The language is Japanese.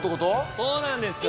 そうなんですよ！